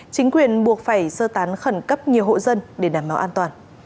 chính quyền buộc phải sơ tán khẩn cấp nhiều hộ dân để đảm bảo an toàn